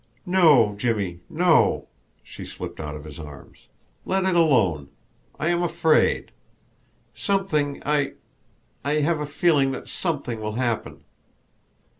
"No, Jimmie no!" She slipped out of his arms. "Let it alone! I am afraid. Something I I have a feeling that something will happen."